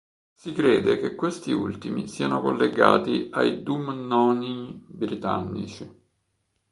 Si crede che questi ultimi siano collegati ai Dumnonii britannici.